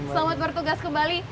selamat bertugas kembali